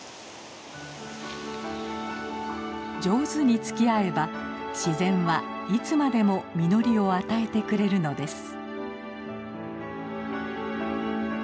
上手につきあえば自然はいつまでも実りを与えてくれるのです。